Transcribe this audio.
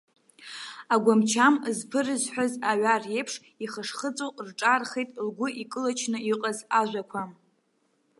Агәамчам зԥырзҳәаз аҩар еиԥш ихашхыҵәа рҿаархеит лгәы икылачны иҟаз ажәақәа.